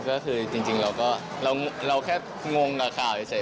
ก็คือจริงเราก็เราแค่งงกับข่าวเฉย